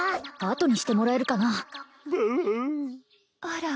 あとにしてもらえるかなあら？